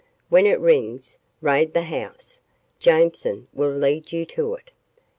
When it rings, raid the house. Jameson will lead you to it.